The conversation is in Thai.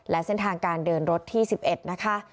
และเส้นทางการเดินรถที่๑๑นะคะ